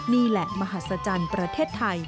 นี่แหละมหัศจรรย์ประเทศไทย